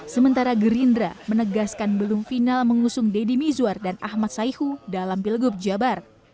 sementara gerindra menegaskan belum final mengusung deddy mizwar dan ahmad saihu dalam pilgub jabar